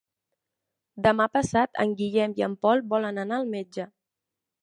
Demà passat en Guillem i en Pol volen anar al metge.